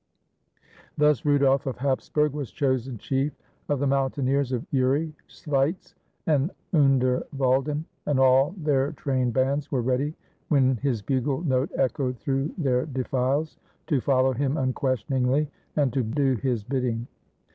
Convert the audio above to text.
Thus Rudolf of Hapsburg was chosen chief of the mountaineers of Uri, Schweitz, and Underwalden ; and all their trained bands were ready, when his bugle note echoed through their defiles, to follow him unquestioningly and to do his bidding.